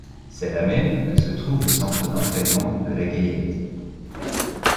C'est là même que se trouve le centre d'entraînement de la Gaillette.